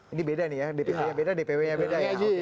ini beda nih ya dpw nya beda dpw nya beda ya